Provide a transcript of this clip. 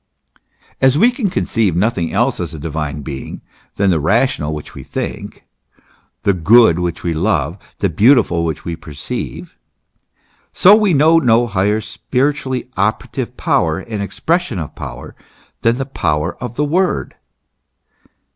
As we can conceive nothing else as a Divine Being than the Rational which we think, the Good which we love, the Beau tiful which we perceive ; so we know no higher spiritually operative power and expression of power, than the power of the Word.